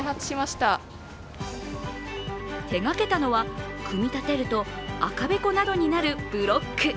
手がけたのは組み立てると赤べこなどになるブロック。